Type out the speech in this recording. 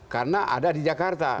karena ada di jakarta